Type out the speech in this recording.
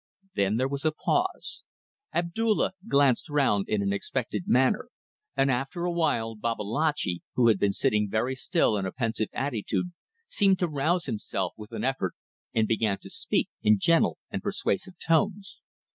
Then there was a pause. Abdulla glanced round in an expectant manner, and after a while Babalatchi, who had been sitting very still in a pensive attitude, seemed to rouse himself with an effort, and began to speak in gentle and persuasive tones.